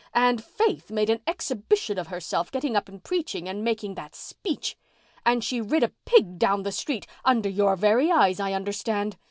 And Faith made an exhibition of herself getting up in preaching and making that speech! And she rid a pig down the street—under your very eyes I understand.